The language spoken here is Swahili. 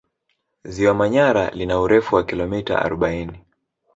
Ziwa Manyara lina urefu wa kilomita arobaini